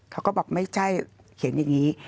เขาก็บอกไม่ใช่เขียนอย่างนี้